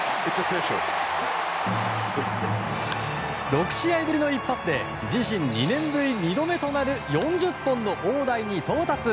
６試合ぶりの一発で自身２年ぶり２度目となる４０本の大台に到達。